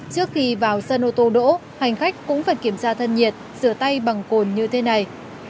trước khi vào xe ô tô đỗ hành khách cũng phải kiểm tra thân nhiệt sửa tay bằng cồn như thế này